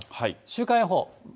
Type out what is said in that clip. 週間予報。